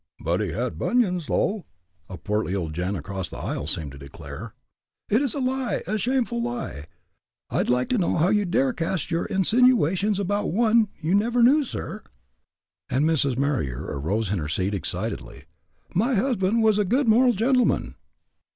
"But he had bunions, though!" a portly old gent across the aisle seemed to declare. "It's a lie a shameful lie! I'd like to know how you dare cast your insinuations about one you never knew, sir?" and Mrs. Marier arose in her seat, excitedly. "My husband was a good moral gentleman."